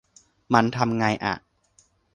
มันทำไงอะ